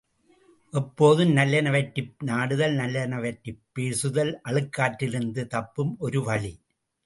எப்போதும் நல்லனவற்றையே நாடுதல், நல்லனவற்றைப் பற்றியே பேசுதல் அழுக்காற்றிலிருந்து தப்பும் ஒரு வழி.